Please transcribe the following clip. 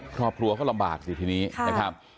ครอบครัวเขาลำบากสิทีนี้นะครับ